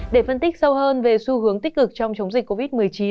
để phân tích sâu hơn về xu hướng tích cực trong chống dịch covid một mươi chín